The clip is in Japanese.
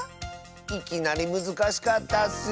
いきなりむずかしかったッス。